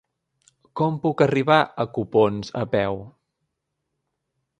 Com puc arribar a Copons a peu?